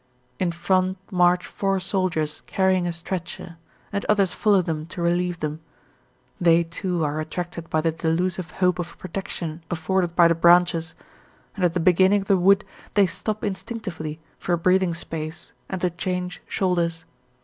In front march four soldiers carrying a stretcher, and others follow them to relieve them. They, too, are attracted by the delusive hope of protection afforded by the branches, and at the beginning of the wood they stop instinctively for a breathing space and to change shoulders.